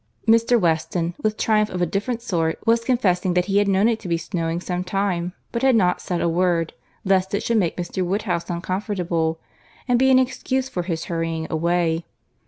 Mr. Weston, with triumph of a different sort, was confessing that he had known it to be snowing some time, but had not said a word, lest it should make Mr. Woodhouse uncomfortable, and be an excuse for his hurrying away.